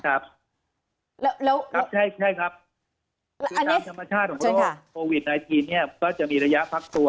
ครับแล้วครับใช่ครับคือตามธรรมชาติของโรคโควิด๑๙เนี่ยก็จะมีระยะพักตัว